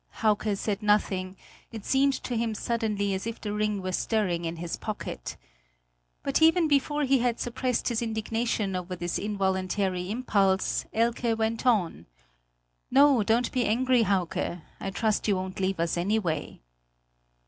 Hauke said nothing; it seemed to him suddenly, as if the ring were stirring in his pocket. But even before he had suppressed his indignation over this involuntary impulse, Elke went on: "No, don't be angry, Hauke; I trust you won't leave us anyway."